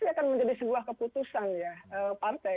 itu pasti akan menjadi sebuah keputusan ya partai